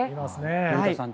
古田さん